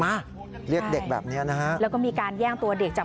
มาเรียกเด็กแบบเนี้ยนะฮะแล้วก็มีการแย่งตัวเด็กจาก